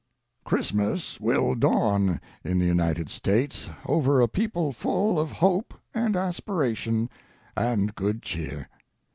"Christmas will dawn in the United States over a people full of hope and aspiration and good cheer.